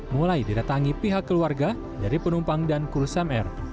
mulai didatangi pihak keluarga dari penumpang dan kursam air